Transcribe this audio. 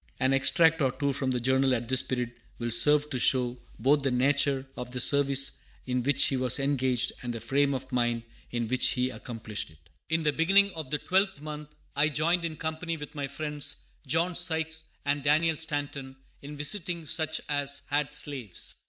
] An extract or two from the Journal at this period will serve to show both the nature of the service in which he was engaged and the frame of mind in which he accomplished it: "In the beginning of the 12th month I joined in company with my friends, John Sykes and Daniel Stanton, in visiting such as had slaves.